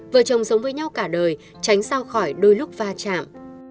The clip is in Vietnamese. vợ chồng sống với nhau cả đời tránh ra khỏi đôi lúc va chạm